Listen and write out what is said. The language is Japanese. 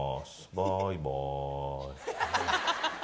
バイバーイ。